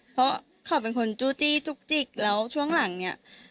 เพราะเขาเป็นคนจู้จี้จุกจิกแล้วช่วงหลังเนี่ย